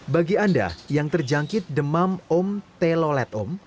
bagi anda yang terjangkit demam om telolet om